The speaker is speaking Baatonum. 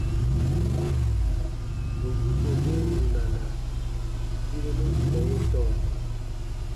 Bù yiko be wunana birenu ita ye sɔɔ.